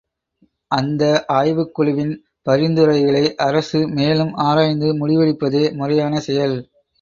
அந்த ஆய்வுக் குழுவின் பரிந்துரைகளை அரசு மேலும் ஆராய்ந்து முடிவெடுப்பதே முறையான செயல்!